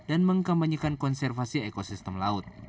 dan mengkambanyikan konservasi ekosistem laut